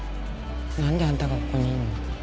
何であんたがここにいんの？